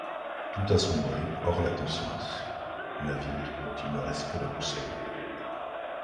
Tout a sombré, hors la conscience; navire dont il ne reste que la boussole.